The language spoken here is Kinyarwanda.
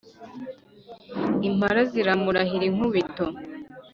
Impara ziramurahira inkubito